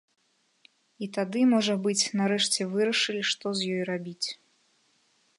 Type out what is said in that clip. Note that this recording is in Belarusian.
І тады, можа быць, нарэшце вырашылі, што з ёй рабіць.